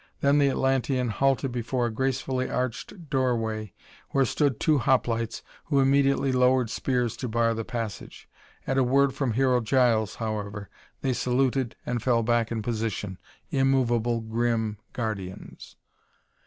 Then the Atlantean halted before a gracefully arched doorway where stood two hoplites, who immediately lowered spears to bar the passage. At a word from Hero Giles, however, they saluted and fell back in position immovable, grim guardians.